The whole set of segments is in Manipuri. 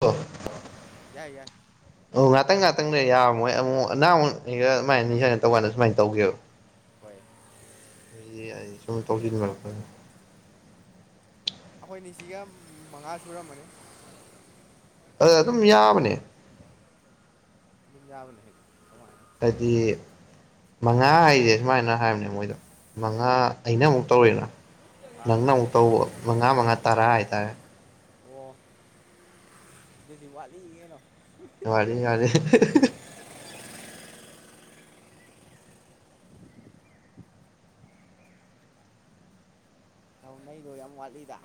ꯍ [inaudible] ꯌꯥꯏ ꯌꯥꯏ ꯑꯣ ꯉꯥꯛꯇꯪ ꯉꯥꯛꯇꯪꯗ ꯌꯥꯔꯃꯣꯏ ꯑꯃꯨꯛ ꯑ ꯅꯥꯡꯃꯨꯛꯅꯤꯒ ꯁꯃꯥꯏꯅꯅꯤ ꯁꯃꯅ ꯇꯧꯥꯟꯗ ꯁꯨꯃꯥꯏꯅ ꯇꯧꯒꯦꯕ [inaudible] ꯍꯣꯏ [inaudible] ꯑꯩꯈꯣꯏ ꯑꯅꯤꯁꯤꯒ ꯃꯉꯥ ꯁꯨꯔꯝꯃꯅꯤ ꯑꯗꯣ ꯛꯗꯨꯝ ꯌꯥꯕꯅꯦ ꯄꯖꯥꯕ ꯂꯩ ꯍ ꯀꯃꯥꯏ [inaudible] ꯍꯥꯏꯗꯤ ꯃꯉꯥ ꯍꯥꯏꯖꯦ ꯁꯨꯃꯥꯏꯅ ꯍꯥꯏꯕꯅꯦ ꯃꯣꯏꯗꯣ ꯃꯉꯥ ꯑꯩꯅ ꯑꯃꯨꯛ ꯇꯧꯔꯤꯅ ꯅꯪꯅ ꯑꯃꯨꯛ ꯇꯧꯕ ꯃꯉꯥ ꯃꯉꯥ ꯇꯔꯥ ꯍꯥꯏꯇꯥꯔꯦ ꯑꯣ ꯑꯗꯨꯗꯤ ꯋꯥꯠꯂꯤ ꯀꯩꯅꯣ ꯋꯥꯠꯂꯤ ꯋꯥꯠꯂꯤ ꯅꯩꯗꯣ ꯌꯥꯝ ꯋꯥꯠꯂꯤꯗ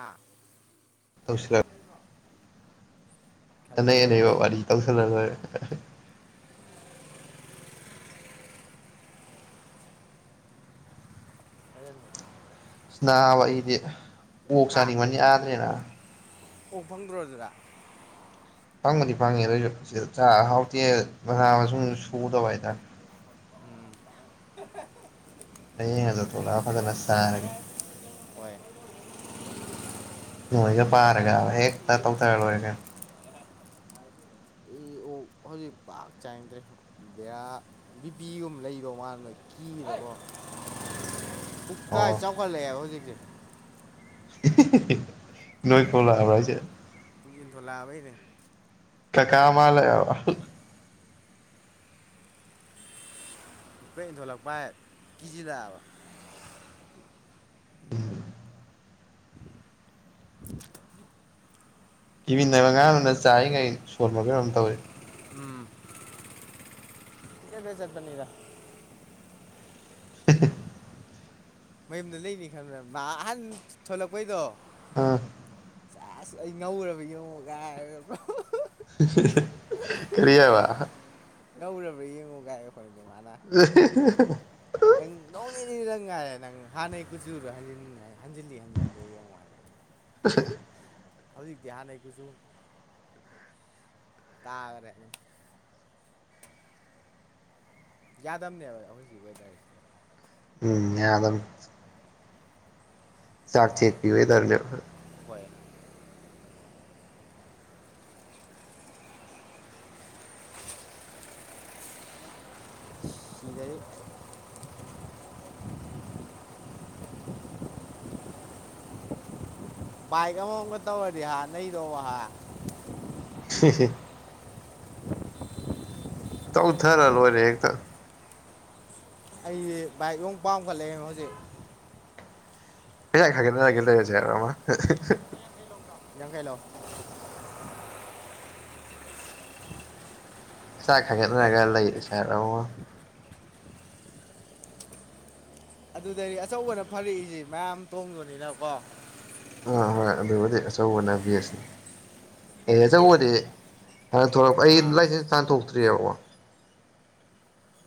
ꯑꯥꯩꯅ ꯇꯧꯁꯤꯜꯂꯛ ꯂꯩꯕ꯭ꯔꯣ [inaudible] ꯑꯅꯩ ꯑꯅꯩꯕ ꯋꯥꯔꯤ ꯇꯧꯁꯜꯂꯔꯣꯏ [inaudible] ꯑꯗꯨ [inaudible] ꯑ ꯅꯥꯕ ꯑꯩꯗꯤ ꯑꯣꯛ ꯍꯥ ꯆꯥꯅꯤꯡꯕꯅ ꯌꯦꯗꯔꯦ ꯅꯥꯕ ꯑꯣꯛ ꯐꯪꯗ꯭ꯔꯣ ꯑꯗꯨꯗ ꯐꯪꯕꯗꯤ ꯐꯪꯉꯦ ꯑꯗꯣꯏꯁꯨ ꯁꯤꯗ ꯆꯥ ꯍꯥꯎꯇꯦ ꯃꯅꯥ [inaudible] ꯁꯨꯗꯕ ꯍꯥꯏꯇꯥꯔꯦ [inaudible] ꯎꯝ [inaudible] ꯊꯣꯛꯂꯛꯑꯝꯃꯨ ꯍꯣꯏ [inaudible] ꯃꯣꯢꯒ [inaudible] ꯄꯥꯔꯒ ꯍꯦꯛꯇ ꯇꯧꯊꯔ ꯂꯣꯏꯔꯦ ꯑꯩ ꯑꯣꯛ ꯍꯧꯖꯤꯛ ꯄꯥꯛ ꯆꯥꯅꯤꯡꯗ꯭ꯔꯦ [inaudible] ꯀꯥꯏ ꯑꯣ ꯆꯥꯎꯈꯠꯂꯛꯑꯦꯕ ꯍꯧꯖꯤꯛꯇꯤ ꯅꯣꯏ [unintelligible] ꯍꯥꯏꯁꯦ [inaudible] ꯀ ꯀꯥ ꯃꯥꯜꯂꯛꯑꯦꯕ ꯀꯤꯖꯤꯟꯂꯛꯑꯕ [inaudible] ꯎꯝ [inaudible] [unintelligible] ꯀꯩꯅꯣꯝ ꯇꯧꯏ ꯎꯝ ꯆꯠꯂꯦ ꯆꯠꯄꯅꯤꯗ [inaudible] ꯃꯌꯨꯝꯗ ꯂꯩꯅꯤ ꯈꯪꯗ ꯑꯍꯟ ꯊꯣꯂꯛꯄꯩꯗꯣ [unintelligible] ꯁꯦꯖ ꯑꯩ [unintelligible] ꯀꯔꯤ ꯍꯥꯏꯕ [unintelligible] ꯑꯦ ꯅꯪ ꯅꯣꯡ ꯅꯤꯅꯤꯗ ꯉꯥꯏꯔꯦ ꯅꯪ ꯍꯥꯟꯅꯩ ꯀꯨꯆꯨꯗ ꯍꯟꯖꯤꯒꯗꯕ ꯍꯟꯖꯤꯟꯗꯦ ꯌꯦꯡꯉꯨ ꯍꯥꯏꯕꯅꯤ ꯍꯧꯖꯤꯛꯇꯤ ꯍꯥꯟꯅꯩ ꯀꯨꯆꯨ ꯇꯥꯈ꯭ꯔꯦ ꯑꯗꯨꯝ ꯌꯥꯗꯝꯅꯦꯕ ꯑꯩꯈꯣꯏꯗꯤ ꯎꯝ ꯌꯥꯗꯝꯅꯤ ꯆꯥꯛꯆꯠ ꯄꯤ ꯑꯣꯏꯗꯔꯅꯦ ꯍꯣꯏ ꯃꯦ ꯃꯥꯏꯕ ꯑꯃꯃꯝꯒ ꯇꯧꯔꯗꯤ ꯍꯥ ꯅꯩꯗꯣ ꯍꯥ ꯍ ꯍꯦ ꯇꯧꯊꯔ ꯂꯣꯏꯔꯦ ꯍꯦꯛꯇ ꯑꯩ ꯕꯥꯏꯛ ꯑꯃꯨꯛ ꯄꯥꯝꯈꯠꯂꯛꯑꯦ ꯍꯧꯖꯤꯛ [inaudible] ꯂꯩꯔꯁꯦ ꯍꯥꯏꯔꯣ ꯑꯃ ꯌꯥꯡꯈꯩ ꯂꯧ ꯏꯥꯛ ꯈꯥꯏꯒꯠꯅꯔꯒ ꯂꯩ ꯁꯤꯔ ꯑꯃ ꯑꯗꯨꯗꯗꯤ ꯑꯆꯧꯕꯅ ꯐꯔꯛꯏꯁꯤ ꯃꯌꯥꯝ ꯇꯣꯡꯗꯣꯏꯅꯤꯅꯀꯣ ꯑꯥ ꯍꯣꯏ ꯑꯗꯨꯕꯨꯗꯤ ꯑꯆꯧꯕꯅ ꯐꯩ ꯑꯦ ꯑꯆꯧꯕꯗꯤ ꯍ ꯅ ꯊꯣꯛꯂꯛꯄ ꯑꯩꯒꯤꯗꯤ ꯑꯥ ꯂꯥꯏꯁꯦꯟꯁ ꯇꯥꯟꯊꯣꯛꯇ꯭ꯔꯤꯑꯕꯀꯣ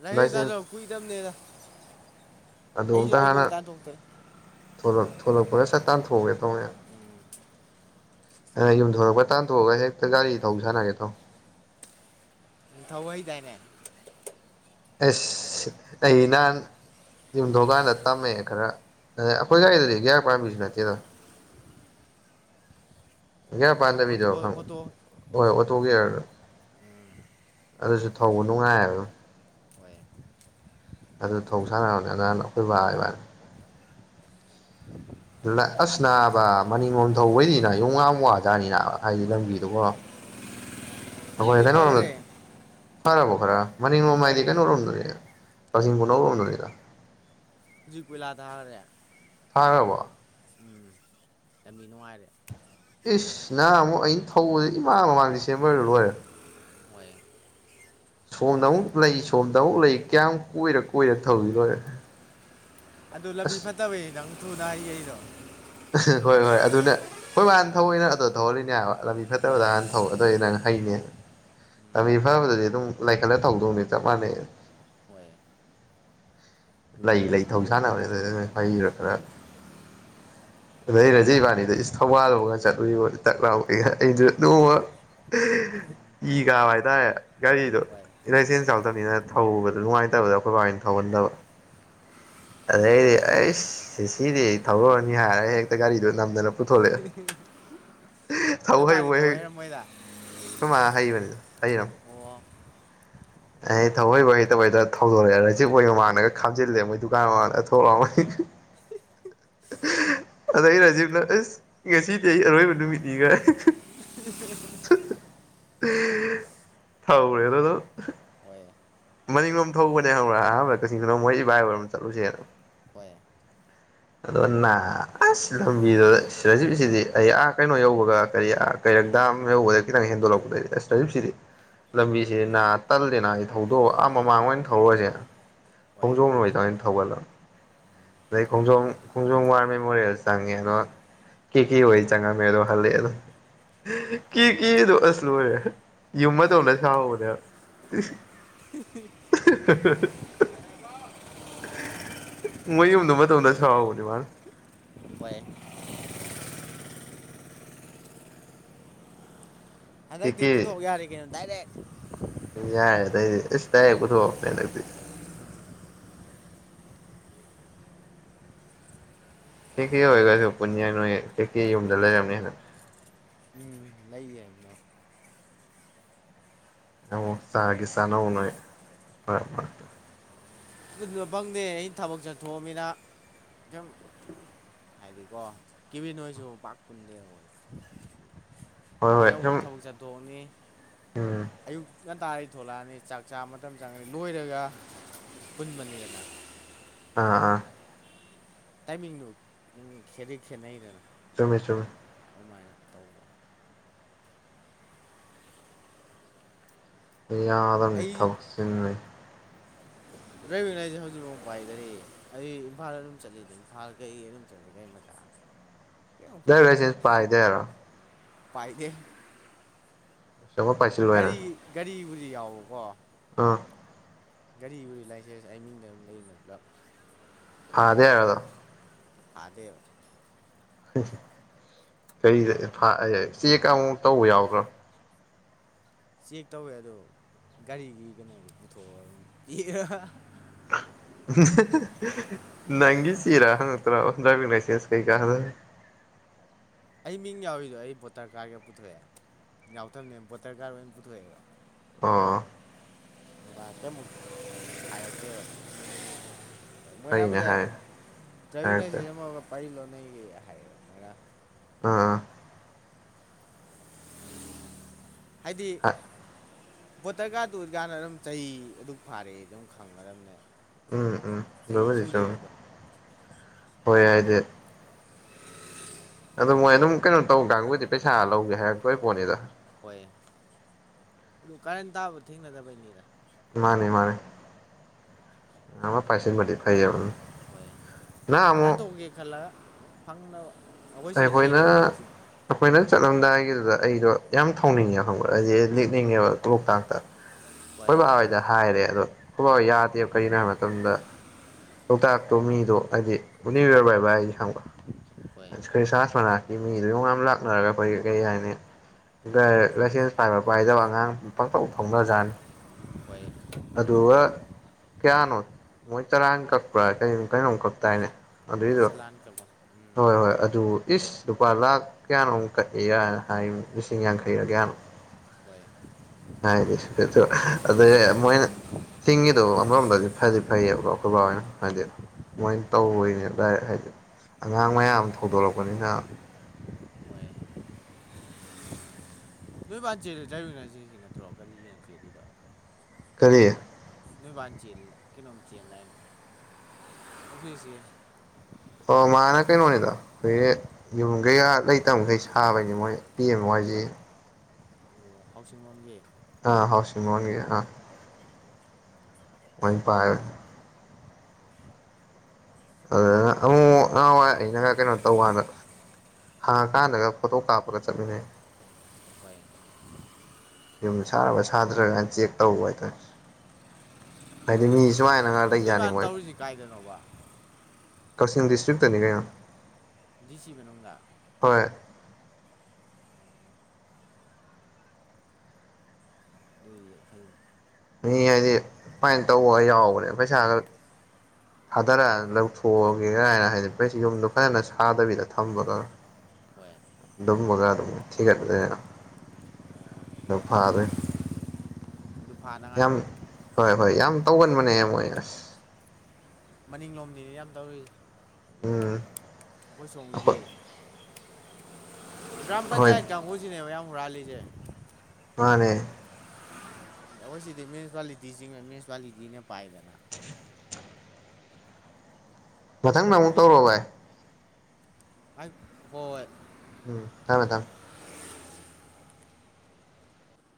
[inaudible] ꯀꯨꯏꯗꯝꯅꯤꯗ ꯑꯗꯨ ꯑꯝꯇ ꯍꯥꯟꯅ ꯊꯣꯂꯛꯄꯒ ꯁꯠ ꯇꯥꯟꯊꯣꯛꯑꯒꯦ ꯇꯧꯅꯦꯗ ꯌꯨꯝꯊꯣꯔꯛꯄ ꯇꯥꯟꯊꯣꯛꯑꯒ ꯍꯦꯛꯇ ꯒꯥꯔꯤ ꯊꯧ ꯁꯥꯟꯅꯒꯦ ꯇꯣ [inaudible] ꯑꯁ ꯑꯩ ꯅꯍꯥꯟ ꯌꯨꯝꯊꯣꯡꯀꯥꯟꯗ ꯇꯝꯃꯛꯑꯦ ꯈꯔ ꯑ ꯑꯩꯈꯣꯏ ꯎꯝ ꯒꯥꯔꯤꯗꯨꯗꯤ ꯒ꯭ꯌꯥꯔ ꯄꯥꯟꯕꯁꯨ ꯅꯠꯇꯦꯗ ꯒꯦꯌꯥꯔ ꯑꯣ ꯑꯣꯇꯣ ꯄꯥꯟꯗꯕꯤꯗꯣ ꯑꯣꯇꯣ ꯍꯣꯏ ꯑꯣꯇꯣ ꯒꯦꯌꯥꯔ ꯑꯗꯨꯁꯨ ꯊꯧꯕ ꯅꯨꯡꯉꯥꯏꯑꯕꯣ ꯑꯣꯏꯣꯏ ꯑꯗꯨ ꯊꯧ ꯁꯥꯟꯅꯕꯅꯦ ꯅꯍꯥꯟ ꯑꯩꯈꯣꯏ ꯕꯥ [inaudible] ꯑꯁ ꯅꯥꯕ ꯃꯅꯤꯡꯂꯣꯝ ꯊꯧꯕꯩꯅꯤꯅ ꯌꯣꯡ ꯉ ꯋꯥꯖꯥꯠꯅꯤꯅ ꯍꯥꯏꯗꯤ ꯂꯝꯕꯤꯗꯨꯀꯣ ꯑꯩꯈꯣꯏ ꯍꯧꯖꯤꯛꯇꯤ ꯐꯒ꯭ꯔꯦ ꯀꯩꯅꯣꯔꯣꯝꯗ ꯐꯔꯕꯣ ꯈꯔ ꯃꯅꯤꯡ ꯍꯥꯏꯗꯤ ꯀꯩꯅꯧꯔꯣꯝꯗꯣꯅꯦ ꯂꯧꯁꯤꯡ ꯀꯨꯅꯧꯔꯣꯝꯗꯣꯏꯅꯤꯗ ꯍꯨꯖꯤꯛ ꯀꯣꯏꯂꯥ ꯊꯥꯒꯔꯦ ꯊꯥꯒꯔꯕꯣ ꯎꯝ ꯂꯝꯕꯤ ꯅꯨꯡꯉꯥꯏꯔꯦ ꯏꯁ ꯅꯍꯟ ꯑꯃꯨꯛ ꯑꯩꯅ ꯊꯧꯕꯁꯦ ꯏꯃꯥꯡ ꯃꯃꯥꯡꯗꯤ ꯁꯦꯝꯕꯔ ꯂꯣꯏꯔꯦ ꯍꯣꯏ ꯁꯣꯝꯗ ꯑꯃꯨꯛ ꯂꯩ ꯁꯣꯝꯗ ꯑꯃꯨꯛ ꯂꯩ ꯀꯌꯥꯝ ꯀꯣꯏꯔ ꯀꯣꯏꯔꯒ ꯊꯧꯔꯤ ꯂꯣꯏꯔꯦ ꯑꯗꯨ ꯂꯝꯕꯤ ꯑꯁ ꯐꯠꯇꯕꯩ ꯅꯪ ꯊꯨꯅ ꯑꯩꯌꯦ ꯑꯩꯗꯣ ꯍꯣꯏ ꯍꯣꯏ ꯑꯗꯨꯅ ꯍꯣꯏ ꯍꯥꯟ ꯊꯧꯑꯣꯏꯅ ꯑꯗꯨ ꯊꯧꯍꯜꯂꯤꯅꯦ ꯍꯥꯏꯕ ꯂꯝꯕꯤ ꯍꯣꯏ ꯐꯠꯇꯕꯗ ꯍꯥꯟꯅ ꯊꯧꯋꯏ ꯑꯗꯨꯗꯤ ꯅꯪ ꯍꯩꯅꯦ ꯂꯝꯕꯤ ꯐꯕꯗꯗꯤ ꯑꯗꯨꯝ ꯂꯥꯏꯈꯠꯂ ꯊꯧꯗꯧꯅꯦ ꯆꯞ ꯃꯥꯟꯅꯩ ꯍꯣꯏ ꯂꯩ ꯂꯩ ꯊꯧꯁꯥꯅꯕ ꯍꯩꯔ ꯈꯔ [inaudible] ꯑꯗꯩ ꯔꯖꯤ ꯏꯕꯥꯅꯤꯗ ꯏꯁ ꯊꯧꯕꯥꯜꯗꯒ ꯆꯠꯂꯨꯏꯕꯧꯅꯤ ꯇꯛ ꯂꯥꯎꯒ ꯑꯩꯗꯨ ꯅꯣꯡꯃ ꯏ ꯀꯥꯕ ꯍꯥꯏꯇꯥꯔꯦ ꯍꯣꯏ ꯒꯥꯔꯤꯗꯨꯣꯂꯥꯏꯁꯦꯟꯁ ꯌꯥꯎꯗꯕꯅꯤꯅ ꯊꯧꯕꯗ ꯅꯨꯡꯉꯥꯏꯇꯕꯗ ꯑꯩꯈꯣꯏ ꯕꯥꯥꯏꯅ ꯊꯧꯍꯟꯗꯕ ꯑꯗꯩꯗꯤ ꯑꯩ ꯁꯤꯗꯤ ꯊꯧꯔꯛꯑꯅꯤ ꯍꯥꯏꯔꯦ ꯍꯦꯛꯇ ꯒꯥꯔꯤꯗꯨꯣ ꯅꯝꯗꯅ ꯄꯨꯊꯣꯛꯂꯛꯑꯦ [inaudible] ꯊꯧ ꯅꯣꯏ ꯃꯥꯗꯤ ꯍꯩꯕꯣꯏ ꯍꯩ ꯍꯩꯔꯝꯃꯣꯏꯗ ꯑꯩꯈꯣꯏ ꯃꯥ ꯍꯩꯕꯅꯤꯗ ꯍꯩꯔꯕꯝ ꯑꯣ ꯑꯩ ꯊꯑꯣꯏ ꯍꯣꯏ ꯍꯩ ꯇꯕꯩꯗ ꯊꯧꯗꯣꯔꯛꯑꯦ ꯔꯦꯖꯤꯛ ꯑꯣꯏꯒ ꯃꯥꯡꯅꯒ ꯈꯥꯝꯜꯂꯦ ꯃꯣꯏ ꯗꯨꯀꯥꯟ ꯍꯣꯏ ꯃꯃꯥꯡꯗ [unintelligible] ꯑꯗ ꯑꯩ ꯔꯥꯖꯤꯞꯅ ꯑꯁ ꯉꯁꯤꯗꯤ ꯑꯩ ꯑꯔꯣꯏꯕꯅꯤ ꯅꯨꯃꯤꯅꯤꯒ ꯊꯧꯔꯦꯗꯅ ꯑꯗꯨꯝ ꯍꯣꯏ ꯃꯅꯤꯡꯉꯣꯝ ꯊꯧꯕꯅꯦ ꯍꯧꯔꯛ ꯑꯍꯥꯟꯕꯗ ꯀꯛꯤꯡꯗꯣꯡ ꯃꯣꯏ ꯏꯕꯥꯏꯕꯔ ꯑꯃ ꯆꯠꯂꯨꯁꯦꯅ ꯍꯣꯏ ꯑꯗꯣ ꯅ ꯑꯁ ꯂꯝꯕꯤꯗꯨ ꯁꯤꯔꯖꯤꯁꯤꯗꯤ ꯑ ꯑꯥ ꯀꯩꯅꯣ ꯌꯧꯕꯒ ꯀꯔꯤ ꯑꯥ ꯀꯩꯔꯛꯇ ꯑꯍꯧꯕꯗ ꯈꯤꯇꯪ ꯍꯦꯟꯗꯣꯔꯂꯛꯄꯗꯗꯒꯤꯗꯤ ꯑꯁ ꯇꯔꯤꯞꯁꯤꯗꯤ ꯂꯝꯕꯤꯁꯦ ꯅꯥ ꯇꯜꯂꯦꯅꯁ ꯊꯧꯗꯣꯛꯑꯣ ꯑꯥ ꯃꯃꯥꯡ ꯑꯣꯏꯅ ꯊꯧꯔꯨꯔꯁꯦ ꯍꯣꯏ ꯈꯣꯡꯖꯣꯝ ꯅꯨꯇꯃꯥꯏꯅ ꯊꯒꯠꯂꯛ ꯈꯣꯡꯖꯣꯝ ꯈꯣꯡꯖꯣꯝ ꯋꯥꯔ ꯃꯦꯃꯣꯔꯤꯌꯦꯜ ꯆꯪꯉꯦ ꯑꯗꯣ ꯀ ꯀ ꯑꯣꯏ ꯆꯪꯉ ꯃꯗꯣ ꯍꯜꯦ ꯑꯗꯨ ꯀ ꯑꯁꯂꯨ ꯑꯣꯏ ꯌꯨꯝ ꯑꯃ ꯇꯧꯅ ꯁꯥꯥꯎꯧꯕꯅꯦ ꯃꯌꯨꯝꯗꯨ ꯃꯇꯝꯗ ꯁꯥꯎꯕꯅꯦ ꯃꯥ ꯍꯣꯏ [inaudible] ꯀꯦ ꯍꯟꯗꯛꯇꯤ ꯄꯨꯊꯣꯛ ꯌꯥꯔꯦ ꯀꯩꯅꯣ ꯗꯥꯏꯔꯦꯛ ꯌꯥꯏꯦꯗꯗꯤ ꯇꯥꯏꯌꯦ ꯀꯊꯣꯅꯦ ꯅꯗꯤ ꯀꯦ ꯀꯦ ꯑꯣꯏꯈꯁꯨ ꯄꯨꯟꯌꯥ ꯅꯣꯏ ꯀꯦ ꯀꯦ ꯌꯨꯝꯗ ꯂꯩꯔꯝꯅꯤꯅ ꯂꯩꯌꯦꯕꯅ ꯑꯧ ꯆꯥꯒ ꯆꯥꯅꯧꯅꯣꯏ ꯐꯔꯦ ꯐꯔ ꯑꯗꯨ ꯐꯪꯗꯦ ꯑꯩꯅ ꯊꯕꯛ ꯆꯠꯊꯣꯛꯑꯃꯤꯅ ꯁꯨꯝ ꯍꯥꯏꯥꯏꯗꯤ ꯀꯣ ꯀꯕꯤ ꯅꯣꯏꯁꯨ ꯄꯥꯛ ꯀꯨꯟꯗꯦ ꯍꯈꯣꯏ ꯍꯣꯏ ꯍꯣꯏ ꯁꯨꯝ ꯀꯛꯖꯥ ꯗꯣꯅꯤ ꯎꯝ ꯑꯌꯨꯛ ꯉꯟꯇꯥꯔꯩ ꯊꯣꯛꯂꯛꯑꯅꯤ ꯆꯥꯛ ꯆꯥ ꯃꯇꯝ ꯆꯪꯉꯅꯤ ꯂꯣꯏꯔꯒ ꯄꯨꯟꯕꯅꯤꯅ ꯑꯥꯑꯥ ꯇꯥꯏꯃꯤꯡꯗꯨ ꯑꯗꯨꯝ ꯈꯦꯠꯩ ꯈꯦꯠꯅꯩꯗꯅ ꯆꯨꯝꯃꯦ ꯆꯨꯝꯃꯦ ꯑꯗꯨꯃꯥꯏꯅ ꯇꯧꯕ ꯌꯥꯔꯅꯤ ꯑꯩ ꯊꯧꯁꯤꯟꯅꯩ ꯗ꯭ꯔꯥꯏꯚꯡ ꯍꯥꯏꯁꯦ ꯍꯧꯖꯤꯛꯐ ꯄꯥꯏꯗꯔꯤ ꯑꯩ ꯏꯝꯐꯥꯜ ꯑꯗꯨꯝ ꯆꯠꯂꯤꯗꯤ ꯏꯝꯐꯥꯜ ꯀꯩ ꯑꯗꯨꯝ ꯆꯠꯂꯤꯒꯒꯥ ꯃꯆꯥ [inaudible] ꯐꯥꯗꯦ ꯂꯩꯔꯔꯁꯦꯁ ꯄꯥꯏꯗꯦꯔꯣ ꯄꯥꯏꯗꯦ ꯑꯃ ꯄꯥꯏꯁꯤꯜꯂꯣꯏꯅ ꯒꯥꯔꯤ ꯒꯥꯔꯤ ꯕꯨꯔꯤ ꯌꯥꯎꯕꯀꯣ ꯑꯥ ꯒꯥꯔꯤ ꯎꯔꯤ ꯂꯥꯏꯁꯦꯟꯁ ꯑꯩꯃꯤꯡꯗ ꯑꯗꯨꯝ ꯂꯩꯔꯤꯅ ꯄꯨꯂꯞ ꯑꯗꯦ ꯍꯥꯏꯗꯣ ꯐꯥꯗꯦꯕ ꯀꯔꯤꯗ ꯆꯦꯛ ꯑꯃꯨꯛ ꯇꯧꯕ ꯌꯥꯎꯗ꯭ꯔꯣ ꯆꯦꯛ ꯇꯧꯋꯦ ꯑꯗꯣ ꯒꯥꯔꯤꯒꯤ ꯀꯩꯅꯣꯗꯣ ꯄꯨꯊꯣꯛꯑꯣ ꯑꯗꯨꯝ ꯏꯔ ꯅꯪꯒꯤ ꯆꯔꯥ ꯍꯪꯠꯇ꯭ꯔꯥꯖꯁꯦ ꯀꯩꯀꯥ ꯑꯩ ꯃꯤꯡ ꯌꯥꯎꯔꯤꯗꯣ ꯑꯩ ꯕꯣꯇꯔ ꯀꯥꯔꯒ ꯄꯨꯊꯣꯛꯑꯦ ꯌꯥꯎꯊꯕꯅꯦꯕ ꯕꯣꯇꯔ ꯒꯥꯔ ꯑꯣꯏꯅ ꯄꯨꯊꯣꯛꯑꯦꯕ ꯑꯥ ꯔꯥꯇꯃꯨꯛ ꯍꯥꯏꯔꯛꯇꯦꯕ ꯐꯩꯅꯦ ꯃꯣꯏꯔꯥꯕꯨꯗꯤ ꯍꯥꯏ ꯗ꯭ꯔꯥꯏꯚꯤꯡ ꯍꯥꯏꯔꯛꯇ꯭ꯔꯦ ꯂꯥꯏꯖꯦꯟꯁ ꯑꯃꯒ ꯄꯩꯖꯤꯜꯂꫭ ꯅꯩꯒꯤꯒ ꯍꯥꯏꯌꯦꯕ ꯃꯣꯏꯔꯥ ꯑ ꯍꯥꯏꯗꯤ ꯑꯥ ꯕꯣꯇꯔ ꯀꯔ ꯇ ꯑꯣꯏꯀꯥꯟꯗ ꯑꯗꯨꯝ ꯆꯍꯤ ꯑꯗꯨꯛ ꯐꯥꯔꯛꯑꯦ ꯑꯗꯨꯝ ꯈꯪꯒꯗꯕꯅꯦ ꯎꯝ ꯎꯝ ꯆꯍꯤ ꯂꯕꯨꯗꯤ ꯁꯨꯔꯦ ꯆꯨꯝ ꯑꯗꯣ ꯍꯣꯏ ꯌꯥꯗꯤ ꯑꯣ ꯃꯣꯏ ꯑꯗꯨꯝ ꯀꯩꯅꯣ ꯇꯧ ꯀꯥꯡꯕꯨꯗꯤ ꯄꯩꯁꯥ ꯂꯧꯒꯦ ꯍꯥꯏꯔꯛꯇꯣꯏ ꯄꯣꯟꯠꯅꯤꯗ ꯍꯣꯏ ꯑꯗꯨ ꯀꯔꯟ ꯇꯥꯕ ꯊꯦꯡꯅꯗꯕꯩꯅꯤꯗ ꯃꯥꯅꯦ ꯃꯥꯅꯦ ꯑ ꯄꯥꯏꯁꯤꯟ ꯕꯗꯤ ꯐꯥꯏꯕ ꯅ ꯑꯃꯨꯛ ꯑꯨꯏ ꯈꯜ ꯂꯒ ꯐꯪꯅꯕ ꯑꯩꯈꯣꯏꯅ ꯑꯩꯈꯣꯏꯅ ꯎꯝ ꯆꯠꯂꯝꯗꯥꯏꯒꯤꯗꯨꯗ ꯑꯩꯗꯣ ꯌꯥꯝ ꯊꯥꯎꯅꯤꯡꯉꯦ ꯈꯪꯕ ꯍꯥꯏꯗꯤ ꯂꯤꯦꯛꯅꯤꯡꯉꯦꯕ ꯂ ꯂꯣꯛꯇꯥꯛꯇ ꯎ ꯑꯩꯣꯏ ꯕꯕꯥ ꯍꯣꯏꯗ ꯍꯥꯏꯔꯦ ꯑꯗꯣ ꯑꯩꯣꯏꯕꯕꯥ ꯍ ꯌꯥꯗꯦꯕ ꯀꯔꯤꯅꯣ ꯍꯥꯏꯕ ꯃꯇꯝꯗ ꯂꯣꯛꯇꯥꯛꯇꯣ ꯃꯤꯗꯣ ꯍꯥꯏꯗꯤ ꯅꯅꯤꯌꯨ ꯌꯌꯔ ꯕꯥꯏ ꯕꯥꯏ ꯍꯪꯕ ꯍꯣꯏ ꯑꯩꯈꯣꯏ ꯁꯍꯖ ꯃꯅꯥꯛꯀꯤ ꯃꯤꯗꯨ ꯉ ꯂꯥꯛꯅꯔꯒ ꯑꯩꯈꯣꯏ ꯀꯩ ꯍꯥꯏꯅꯤ ꯂꯥꯏꯁꯦꯟꯁ ꯄꯥꯏꯕ ꯄꯥꯏꯗꯕ ꯑꯉꯥꯡ ꯄꯥꯛꯇ ꯐꯥꯎꯅꯖꯥꯠꯅꯤ ꯍꯣꯏ ꯑꯗꯨꯒ ꯀꯌꯥꯅꯣ ꯃꯣꯏ ꯆꯔꯥ ꯀꯛꯄ꯭ꯔꯥ ꯀꯩꯅꯣꯝ ꯀꯛꯄ ꯇꯥꯏꯅꯦ ꯏ ꯑꯗꯨꯏꯗꯨ ꯆꯂꯥꯟ ꯀꯛꯄ ꯎꯝ ꯍꯣꯏ ꯍꯣꯏ ꯑꯗꯨ ꯏꯁ ꯂꯨꯄꯥ ꯂꯥꯛ ꯀꯌꯥꯅꯣꯛ ꯀꯛꯑꯦ ꯌꯥꯅ ꯍꯥꯏ ꯂꯤꯁꯤꯡ ꯌꯥꯡꯈꯩꯒ ꯀꯌꯥꯅꯣꯛ ꯍꯣꯏ ꯍꯥꯏꯗꯤꯁꯨ ꯑꯗꯨ ꯃꯣꯏꯅ ꯆꯤꯡꯒꯤꯗꯣ ꯑꯃꯔꯣꯝꯗꯗꯤ ꯐꯗꯤ ꯐꯩꯌꯦꯕꯀꯣ ꯑꯩꯈꯣꯏ ꯕꯥ ꯑꯣꯏꯅ ꯍꯏꯗꯤ ꯃꯥꯏꯅ ꯍꯣꯏ ꯇꯧꯅꯦ ꯗꯥꯏꯔꯦꯛ ꯍꯥꯏꯗꯤ ꯑꯉꯥꯡ ꯃꯥꯅꯤ ꯃꯌꯥꯝ ꯊꯧꯗꯣꯔꯛꯄꯅꯤꯅ ꯍꯣꯏ ꯅꯣꯏꯕꯕꯥꯆꯦ ꯗ꯭ꯔꯥꯏꯕꯅꯆꯦꯒꯤ ꯅꯠꯇ꯭ꯔꯣ ꯒꯥꯔꯤꯒꯤꯅ ꯆꯦꯜꯂꯤꯗꯣ ꯀꯔꯤ ꯅꯣꯏ ꯆ ꯀꯩꯅꯣꯝ ꯆꯁꯤꯦ ꯑꯣ ꯃꯥꯅ ꯀꯩꯅꯣꯅꯤꯗ ꯑꯩꯈꯣꯏ ꯌꯨꯝꯈꯩꯀ ꯂꯩꯇꯕꯈꯩ ꯁꯥꯕꯩꯅꯤ ꯃꯣꯏ ꯄꯤ ꯑꯦꯝ ꯋꯥꯏꯒꯤ ꯑꯣ ꯍꯥꯎꯁꯤꯡ ꯂꯣꯟꯒꯤ ꯑ ꯍꯥꯎꯁꯤ ꯋꯥꯉꯒꯤ ꯑ ꯋꯥꯟ ꯐꯥꯏ ꯑꯗꯨ ꯑꯩꯅ ꯀꯩꯅꯣ ꯇꯧꯅ ꯍꯥꯡꯉꯀꯥꯟꯗꯒ ꯐꯣꯇꯣ ꯀꯥꯞꯄꯒ ꯆꯠꯃꯤꯟꯅꯩ ꯑꯣꯏ ꯌꯨꯝ ꯁꯥꯔꯕ ꯁꯥꯗ꯭ꯔꯒꯅ ꯆꯦꯛ ꯇꯧꯕ ꯍꯥꯏꯇꯥꯔ ꯍꯥꯏꯗꯤ ꯃꯤ ꯁꯨꯃꯥꯏꯅ ꯉ ꯅꯣꯏꯕꯥꯥꯟ ꯇꯧꯔꯤꯁꯤ ꯀꯥꯏꯗꯅꯣꯕ ꯀꯛꯆꯤꯡ ꯗꯤꯁꯇ꯭ꯔꯤꯛꯇꯅꯤ ꯀꯩꯅꯣ ꯗꯤ ꯁꯤ ꯃꯅꯨꯡꯗꯥ ꯍꯣꯏ ꯑꯗꯨ ꯐꯩ ꯃꯤ ꯍꯥꯏꯗꯤ ꯐꯥꯏꯅ ꯇꯧꯕꯒ ꯌꯥꯎꯕꯅꯦ ꯄꯩꯁꯥ ꯈ ꯊꯥꯗꯔ ꯂꯧꯊꯣꯛꯑꯒꯦ ꯀꯥꯏꯅ ꯍꯥꯏꯗꯤ ꯌꯨꯝꯗꯣ ꯐꯖꯅ ꯁꯥꯗꯕꯤꯗ ꯊꯝꯕꯀꯣ ꯍꯣꯏ ꯑꯗꯨꯝꯒꯗꯣ ꯑꯗꯨꯝ ꯊꯤꯒꯠꯂ ꯑꯗꯨ ꯐꯔꯦ ꯑꯗꯨ ꯐꯥꯅꯉꯥꯏ ꯌꯥꯝ ꯍꯣꯏ ꯍꯣꯏ ꯌꯥꯝ ꯇꯧꯒꯟꯕꯅꯦ ꯃꯣꯏ ꯑꯁ ꯃꯅꯤꯡꯂꯣꯝꯅꯤꯅꯦ ꯌꯥꯝ ꯇꯧꯔꯤꯁꯦ ꯎꯝ ꯑꯩꯈꯣꯏ ꯁꯣꯝꯒꯤꯗꯤ ꯒ꯭ꯔꯥꯝ ꯍꯣꯏ ꯄꯟꯆꯥꯌꯦꯠ ꯀꯥꯡꯕꯨꯁꯤꯅꯦꯕ ꯌꯥꯝ ꯍꯨꯔꯥꯜꯂꯤꯁꯦ ꯃꯥꯅꯦ ꯑꯩꯈꯣꯏ ꯁꯤꯗꯤ ꯃ꯭ꯌꯨꯅꯤꯁꯤꯄꯥꯂꯤꯇꯤꯁꯤꯡꯤꯡꯕ ꯃ꯭ꯌꯨꯅꯤꯁꯤꯄꯥꯂꯤꯇꯤꯅ ꯄꯥꯏꯗꯅ ꯃꯊꯪꯗ ꯑꯃꯨꯛ ꯇꯧꯔꯛꯑꯣ ꯚꯥꯢ ꯍꯥꯏ ꯍꯣꯏ ꯎꯝ ꯊꯝꯃꯦ ꯊꯝꯃꯦ